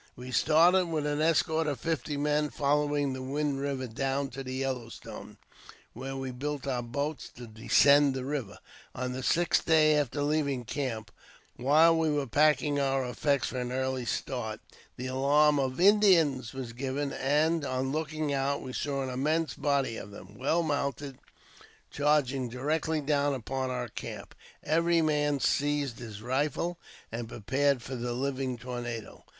We started with an escort of fifty men, following the Wind Eiver down to the Yellow Stone, where we built our boats to descend the river. On the sixth day after leaving camp, while we were packing our effects for an early start, the alarm of " Indians !" was given, and, on looking out, we saw JAMES P. BECKWOUBTH. 81 an immense body of them, well mounted, charging directly down upon our camp. Every man seized his rifle, and pre pared for the living tornado.